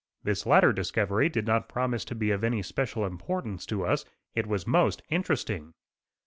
This latter discovery did not promise to be of any special importance to us, it was most interesting.